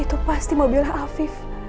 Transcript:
itu pasti mobilnya afi